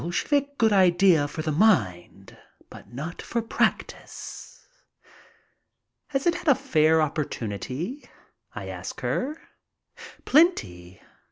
shevik good idea for the mind, but not for practice." "Has it had a fair opportunity?" I ask her. "Plenty.